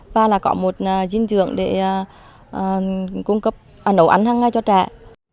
và là có một dinh dưỡng để cung cấp nấu ăn hàng ngày cho trẻ